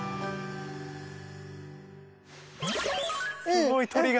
すごい鳥が。